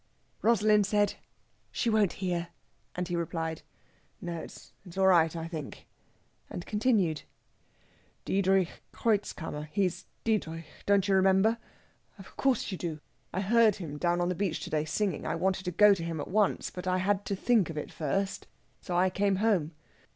Rosalind said, "She won't hear," and he replied, "No; it's all right, I think," and continued: "Diedrich Kreutzkammer he's Diedrich don't you remember? Of course you do!... I heard him down on the beach to day singing. I wanted to go to him at once, but I had to think of it first, so I came home.